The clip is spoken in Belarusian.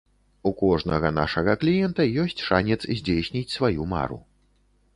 У кожнага нашага кліента ёсць шанец здзейсніць сваю мару.